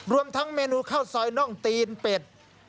รวมทั้งเมนูข้าวซอยน่องตีนเป็ด